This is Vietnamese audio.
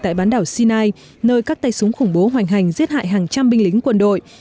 tại bán đảo sinai nơi các tay súng khủng bố hoành hành giết hại hàng trăm binh lính quân đội